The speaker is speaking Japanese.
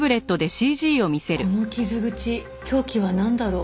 この傷口凶器はなんだろう？